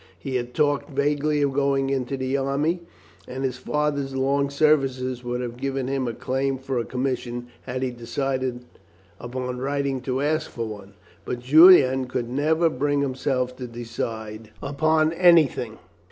He had talked vaguely of going into the army, and his father's long services would have given him a claim for a commission had he decided upon writing to ask for one, but Julian could never bring himself to decide upon anything.